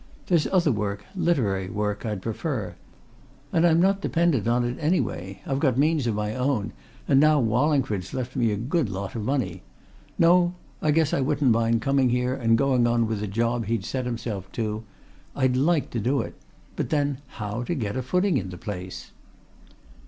There's other work literary work I'd prefer. And I'm not dependent on it any way I've got means of my own, and now Wallingford's left me a good lot of money. No; I guess I wouldn't mind coming here and going on with the job he'd set himself to; I'd like to do it But, then, how to get a footing in the place?"